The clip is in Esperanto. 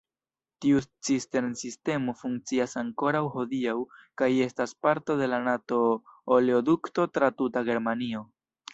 Tiu cistern-sistemo funkcias ankoraŭ hodiaŭ kaj estas parto de la Nato-oleodukto tra tuta Germanio.